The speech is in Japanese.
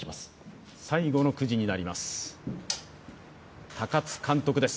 最後のくじになります。